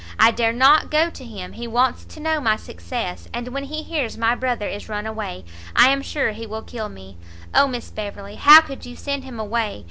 I dare not go to him! he wants to know my success, and when he hears my brother is run away, I am sure he will kill me! Oh Miss Beverley, how could you send him away?